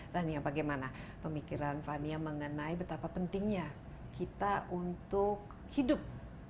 fania bagaimana pemikiran fania mengenai betapa pentingnya kita untuk hidup